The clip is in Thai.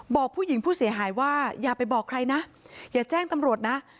บอกผู้หญิงผู้เสียหายว่าอย่าไปบอกใครนะอย่าแจ้งตำรวจนะ